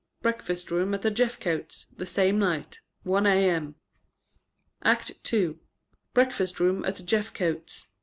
Breakfast room at the Jeffcotes'. The same night. 1 a.m. ACT II. Breakfast room at the Jeffcotes'.